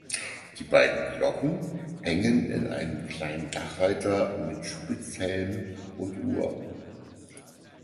Die beiden Glocken hängen in einem kleinen Dachreiter mit Spitzhelm und Uhr.